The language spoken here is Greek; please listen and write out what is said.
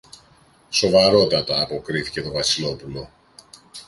Σοβαρότατα, αποκρίθηκε το Βασιλόπουλο.